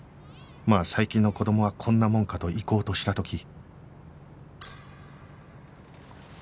まあ最近の子供はこんなもんかと行こうとした時